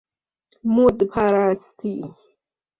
مد پرستی